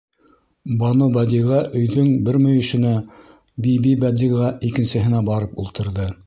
Банубәдиғә өйҙөң бер мөйөшөнә, Бибибәдиғә икенсеһенә барып ултырҙы.